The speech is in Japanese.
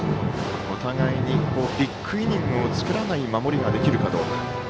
お互いにビッグイニングを作らない守りができるかどうか。